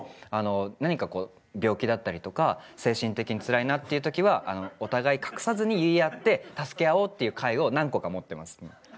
何か病気だったりとか精神的につらいなっていうときはお互い隠さずに言い合って助け合おうっていう会を何個か持ってます。